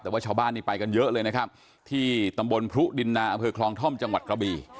แต่ว่าชาวบ้านนี่ไปกันเยอะเลยนะครับที่ตำบลพรุดินนาอำเภอคลองท่อมจังหวัดกระบี